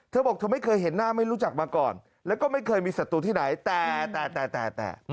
เธอบอกเธอไม่เคยเห็นหน้าไม่รู้จักมาก่อนแล้วก็ไม่เคยมีศัตรูที่ไหนแต่แต่แต่